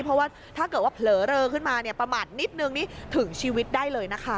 เพราะว่าถ้าเกิดว่าเผลอเลอขึ้นมาเนี่ยประมาทนิดนึงนี่ถึงชีวิตได้เลยนะคะ